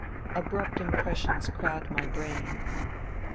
Abrupt impressions crowd my brain.